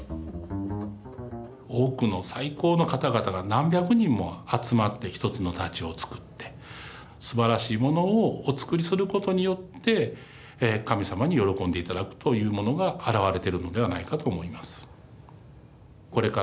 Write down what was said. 多くの最高の方々が何百人も集まって一つの太刀を作ってすばらしいものをお作りすることによって神様に喜んで頂くというものが表れてるのではないかと思います。